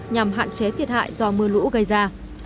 nhằm hạn chế thiệt hại do mưa lũ gây ra